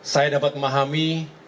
saya dapat memahami